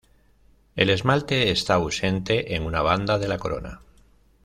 El esmalte está ausente en una banda de la corona.